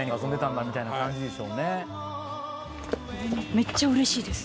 めっちゃうれしいです。